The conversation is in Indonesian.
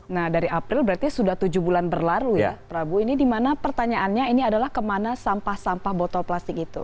nah dari april berarti sudah tujuh bulan berlalu ya prabu ini dimana pertanyaannya ini adalah kemana sampah sampah botol plastik itu